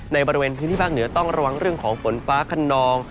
ในพื้นที่ภาคเหนือต้องระวังเรื่องของฝนฟ้าขนอง